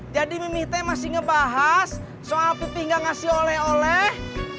jadi mimi teh masih ngebahas soal pipih gak ngasih oleh oleh